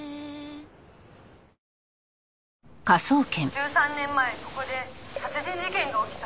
「１３年前ここで殺人事件が起きた」